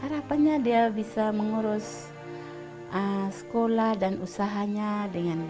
harapannya dia bisa mengurus sekolah dan usahanya dengan